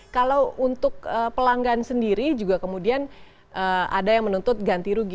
kalau untuk pelanggan sendiri juga kemudian ada yang menuntut ganti rugi